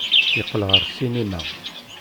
Yeqqel ɣer ssinima.